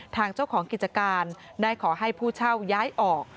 ทางเจ้าของกิจการได้ขอให้ผู้เช่าย้ายออก